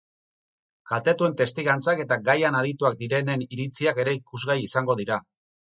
Kaltetuen testigantzak eta gaian adituak direnen iritziak ere ikusgai izango dira.